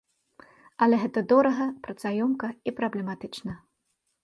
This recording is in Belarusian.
Але гэта дорага, працаёмка і праблематычна.